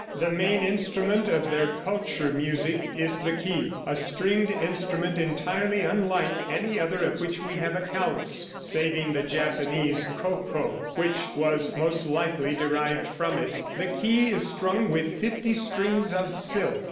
The main instrument of their culture music is the ke, a stringed instrument entirely unlike any other of which we have accounts, saving the Japanese ko ko, which was most likely derived from it. The ke is strung with fifty strings of silk.